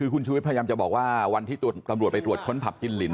คุณชูวิทย์พยายามจะบอกว่าวันที่ตรวจตำรวจไปตรวจขนผับกิ้นหลิน